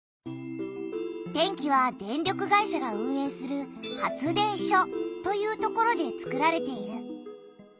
電気は電力会社が運営する発電所という所でつくられている。